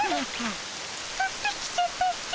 ふってきちゃったっピ。